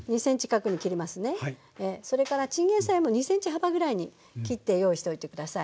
それからチンゲンサイも２ｃｍ幅ぐらいに切って用意しておいて下さい。